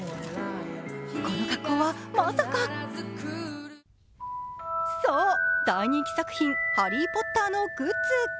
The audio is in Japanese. この格好は、まさかそう、大人気作品「ハリー・ポッター」のグッズ。